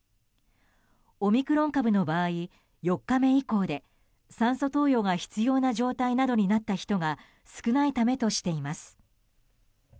オミクロン株の場合４日目以降で酸素投与が必要な状態になった人などが少ないためとしています。